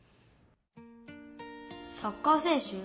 サッカー選手？